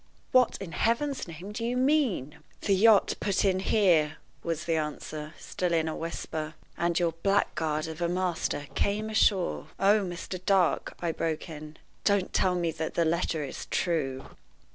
What, in Heaven's name, do you mean?" "The yacht put in here," was the answer, still in a whisper, "and your blackguard of a master came ashore " "Oh, Mr. Dark," I broke in, "don't tell me that the letter is true!"